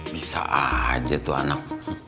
bisa aja tuh anak